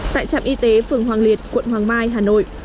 tại trạm y tế phường hoàng liệt quận hoàng mai hà nội